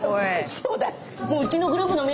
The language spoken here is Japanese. そうだ！